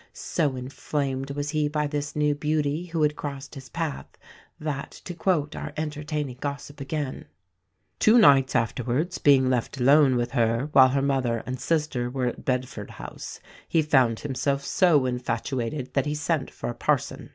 So inflamed was he by this new beauty who had crossed his path that, to quote our entertaining gossip again, "two nights afterwards, being left alone with her, while her mother and sister were at Bedford House, he found himself so infatuated that he sent for a parson.